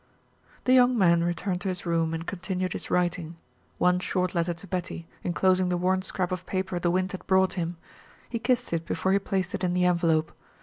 The young man returned to his room and continued his writing. One short letter to Betty, inclosing the worn scrap of paper the wind had brought him; he kissed it before he placed it in the envelope.